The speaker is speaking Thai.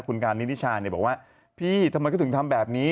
คุณการนินิชาบอกว่าพี่ทำไมก็ถึงทำแบบนี้